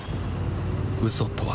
嘘とは